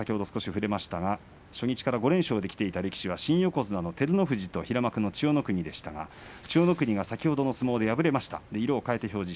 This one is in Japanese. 初日から５連勝できていた力士は横綱の照ノ富士と平幕の千代の国ですが千代の国は先ほど敗れました。